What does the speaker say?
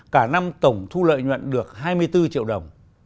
cả năm tổng thu lợi nhuận được hai mươi bốn triệu đồng